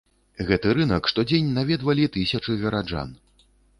Гэты рынак штодзень наведвалі тысячы гараджан.